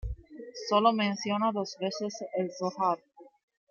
Sólo menciona dos veces el Zohar.